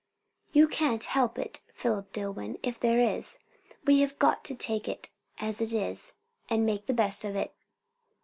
"You can't help it, Philip Dillwyn, if there is. We have got to take it as it is; and make the best of it."